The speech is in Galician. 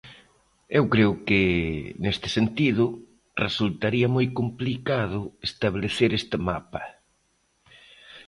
Eu creo que, neste sentido, resultaría moi complicado establecer este mapa.